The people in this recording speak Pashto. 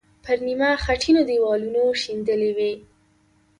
پر نیمه خټینو دیوالونو شیندلې وې.